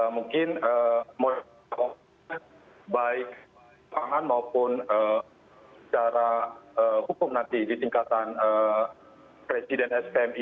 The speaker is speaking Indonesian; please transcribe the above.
mungkin baik pangan maupun secara hukum nanti di tingkatan presiden spmi